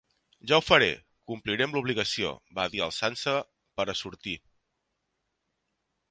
Ja ho faré. Compliré am l'obligació,—va dir alçant-se pera sortir.